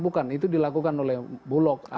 bukan itu dilakukan oleh bulog